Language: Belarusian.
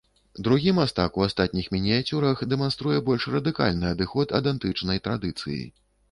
Другі мастак у астатніх мініяцюрах дэманструе больш радыкальны адыход ад антычнай традыцыі.